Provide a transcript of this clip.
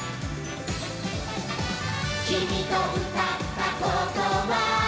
「きみとうたったことは」